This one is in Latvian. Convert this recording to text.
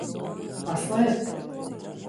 Paslēpt?